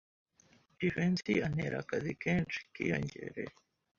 Jivency antera akazi kenshi kiyongereye.